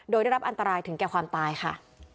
โดยได้รับอันตรายถึงแก่ความตายค่ะ